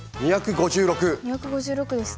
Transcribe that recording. ２５６ですね。